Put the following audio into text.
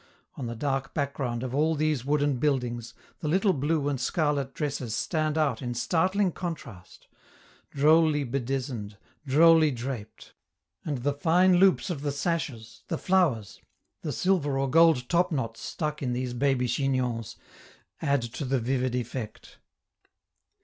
On the dark background of all these wooden buildings, the little blue and scarlet dresses stand out in startling contrast, drolly bedizened, drolly draped; and the fine loops of the sashes, the flowers, the silver or gold topknots stuck in these baby chignons, add to the vivid effect.